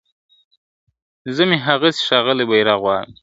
زه مي هغسي ښاغلی بیرغ غواړم !.